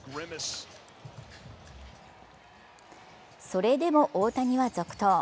それでも大谷は続投。